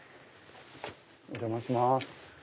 お邪魔します。